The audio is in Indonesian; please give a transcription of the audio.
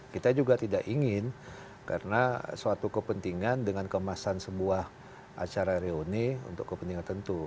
kita juga tidak ingin karena suatu kepentingan dengan kemasan sebuah acara reuni untuk kepentingan tentu